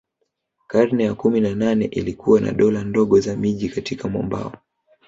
Karne ya kumi na nane ilikuwa na dola ndogo za miji katika mwambao